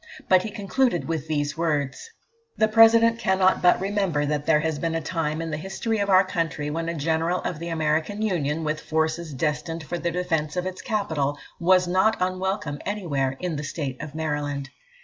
But he concluded with these words "The President cannot but remember that there has been a time in the history of our country when a General of the American Union, with forces destined for the defence of its capital, was not unwelcome anywhere in the State of Maryland.